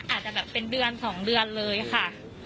อาจจะแบบเป็นเดือน๒เดือนเลยค่ะ